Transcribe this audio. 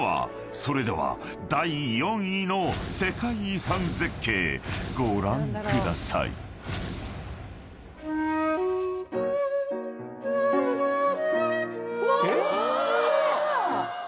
［それでは第４位の世界遺産絶景ご覧ください］うわ！